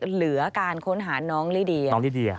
เหลือการค้นหาน้องลิเดีย